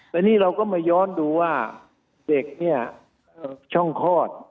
แต่นี่เราก็มาย้อนดูว่าเด็กเนี่ยช่องคลอด